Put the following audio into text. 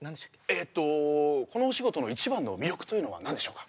えっとこのお仕事の一番の魅力というのは何でしょうか？